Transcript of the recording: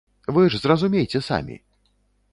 Вы ж зразумейце самі.